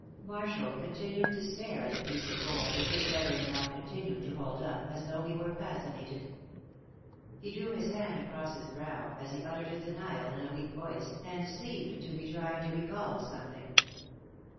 Marshall continued to stare at the piece of gold which his brother in law continued to hold up as though he were fascinated. He drew his hand across his brow as he uttered his denial in a weak voice, and seemed to be trying to recall something.